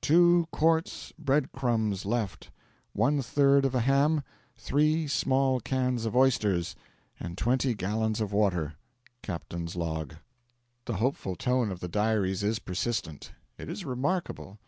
Two quarts bread crumbs left, one third of a ham, three small cans of oysters, and twenty gallons of water. Captain's Log. The hopeful tone of the diaries is persistent. It is remarkable.